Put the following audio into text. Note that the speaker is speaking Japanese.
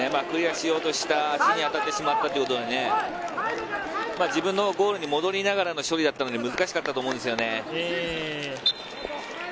クリアしようとした足に当たってしまったということで、自分のゴールに戻りながらの処理だったので難しかったと思うんですよね。